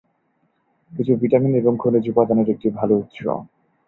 কিছু ভিটামিন এবং খনিজ উপাদানের একটি ভাল উৎস।